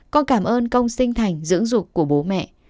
con cảm ơn công sinh thành dưỡng dục của bố mẹ